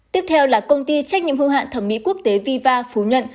tiếp theo là công ty trách nhiệm hưu hạn thẩm mỹ quốc tế viva phú nhuận